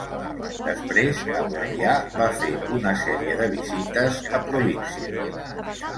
Després Aurelià va fer una sèrie de visites a províncies.